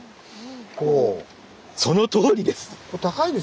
そのとおりです！